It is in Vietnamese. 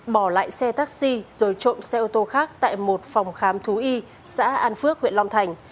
bỏ lại xe taxi rồi trộm xe ô tô khác tại một phòng khám thú y xã an phước huyện long thành